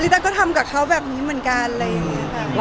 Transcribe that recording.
ริตาก็ทำกับเขาแบบนี้เหมือนกันเลยค่ะ